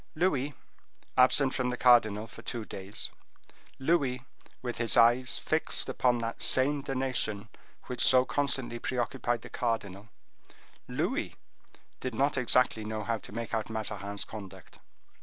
Louis, absent from the cardinal for two days; Louis, with his eyes fixed upon that same donation which so constantly preoccupied the cardinal; Louis did not exactly know how to make out Mazarin's conduct.